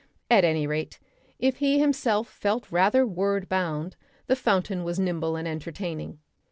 At any rate, if he himself felt rather word bound, the fountain was nimble and entertaining.